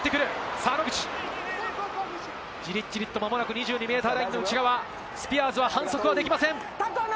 さぁ野口、ジリジリっとまもなく２２ｍラインの内側、スピアーズは反則できません。